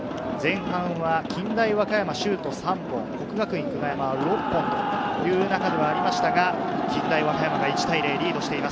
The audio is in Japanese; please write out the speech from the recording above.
前半は近大和歌山・シュート３本、國學院久我山・６本という中ではありましたが近大和歌山が１対０でリードしています。